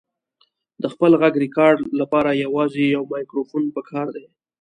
د خپل غږ ریکارډ لپاره یوازې یو مایکروفون پکار دی.